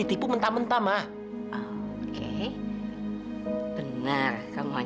itu mas kamil kan